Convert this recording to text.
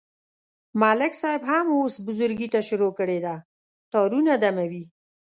ملک صاحب هم اوس بزرگی ته شروع کړې ده، تارونه دموي.